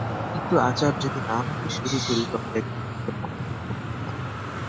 কিন্তু আচার যদি না মানতে শুরু করি তবে একদিন হয়তো মাকেও মানব না।